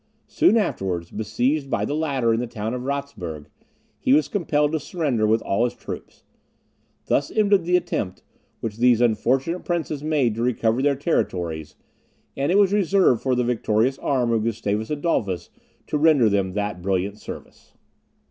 Soon afterwards, besieged by the latter in the town of Ratzeburg, he was compelled to surrender with all his troops. Thus ended the attempt which these unfortunate princes made to recover their territories; and it was reserved for the victorious arm of Gustavus Adolphus to render them that brilliant service.